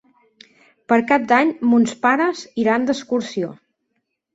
Per Cap d'Any mons pares iran d'excursió.